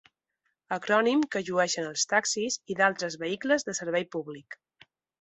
Acrònim que llueixen els taxis i d'altres vehicles de servei públic.